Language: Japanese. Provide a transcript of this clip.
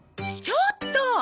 ちょっと！